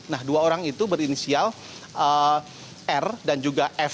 nah dua orang itu berinisial r dan juga f